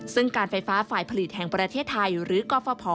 ซึ่งการไฟฟ้าฝ่ายผลิตแห่งประเทศไทยหรือกฟภ